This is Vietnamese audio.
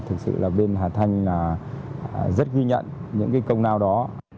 thực sự là bên hà thanh rất ghi nhận những cái công nào đó